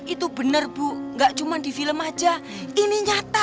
itu benar bu gak cuma di film aja ini nyata